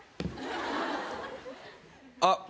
あっ。